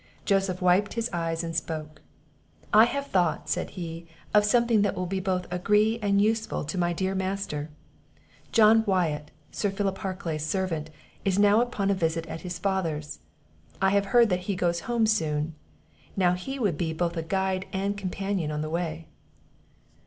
Joseph wiped his eyes and spoke. "I have thought," said he, "of something that will be both agree and useful to my dear master. John Wyatt, Sir Philip Harclay's servant, is now upon a visit at his father's; I have heard that he goes home soon; now he would be both a guide and companion, on the way."